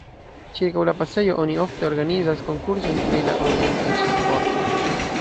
Ĉirkaŭ la pasejo oni ofte organizas konkursojn pri la orientiĝ-sporto.